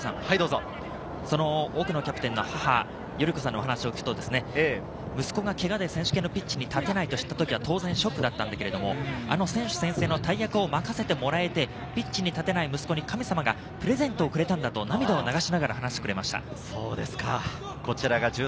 その奥野キャプテンの母・ゆりこさんにお話を聞くと、息子がけがで選手権のピッチに立てないと知った時は当然ショックだったんだが、選手宣誓の大役を任せてもらえて、ピッチに立てない息子に神様がプレゼントをくれたんだと涙を流しながら話してくれました。